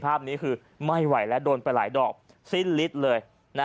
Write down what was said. ภาพนี้คือไม่ไหวแล้วโดนไปหลายดอกสิ้นลิดเลย